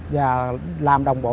và làm đồng bộ